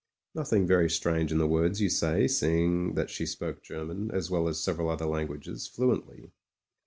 Nothing very strange in the words you say, seeing that she spoke German, as well as several other lan guages, fluently.